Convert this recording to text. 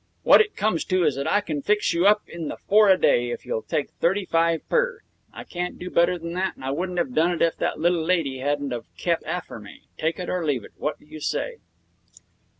What it comes to is that I can fix you up in the four a day, if you'll take thirty five per. I can't do better than that, and I wouldn't have done that if the little lady hadn't of kep' after me. Take it or leave it. What do you say?'